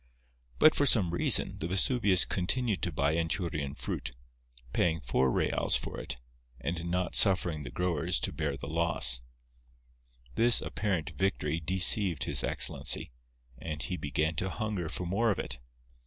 But for some reason, the Vesuvius continued to buy Anchurian fruit, paying four reals for it; and not suffering the growers to bear the loss. This apparent victory deceived His Excellency; and he began to hunger for more of it.